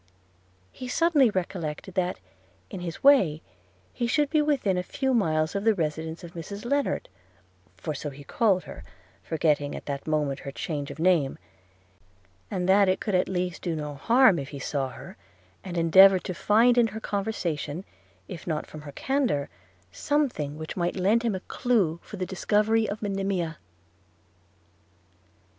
– He suddenly recollected that, in his way, he should be within a few miles of the residence of Mrs Lennard – for so he called her, forgetting at that moment her change of name; and that it could at least do no harm if he saw her, and endeavour to find in her conversation, if not from her candour, something which might lend him a clue for the discovery of Monimia.